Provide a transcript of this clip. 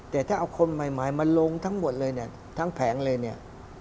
แต่ถ้าคนใหม่มาลงทังหมวดเลยนี่ทางแผงเลยนี่